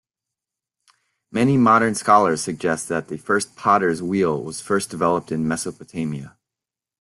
Many modern scholars suggest that the first potter's wheel was first developed in Mesopotamia.